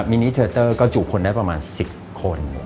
มินิเทอร์เตอร์ก็จุคนได้ประมาณ๑๐คน